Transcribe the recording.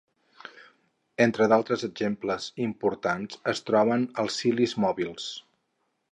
Entre d'altres exemples importants es troben els cilis mòbils.